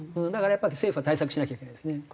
だからやっぱり政府は対策しなきゃいけないですね。